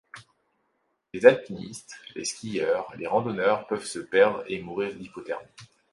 Les alpinistes, les skieurs, les randonneurs peuvent se perdre et mourir d'hypothermie.